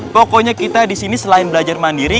pokoknya kita disini selain belajar mandiri